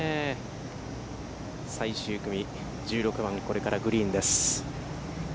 最終組、１６番、これからグリーンです。